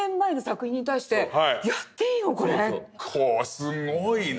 すごいな。